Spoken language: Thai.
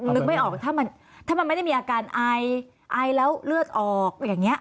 นึกไม่ออกถ้ามันไม่ได้มีอาการไอไอแล้วเลือดออกอย่างนี้